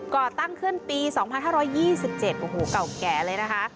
ก่อตั้งขึ้นปี๒๕๒๗โอ้โหเก่าแก่เลยนะคะ